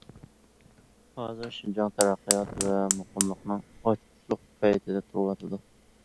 ھازىر، شىنجاڭ تەرەققىيات ۋە مۇقىملىقنىڭ ئاچقۇچلۇق پەيتىدە تۇرۇۋاتىدۇ.